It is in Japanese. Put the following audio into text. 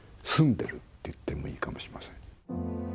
住んでるって言ってもいいかもしれません。